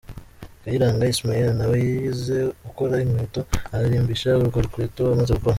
Kayiranga Ismael na we yize gukora inkweto, ararimbisha urwo rukweto amaze gukora.